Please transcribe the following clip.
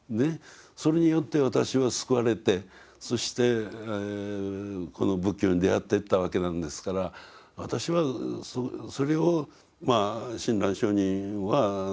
それによって私は救われてそしてこの仏教に出会っていったわけなんですから私はそれを親鸞聖人は「他力」という捉え方をなさったんだと。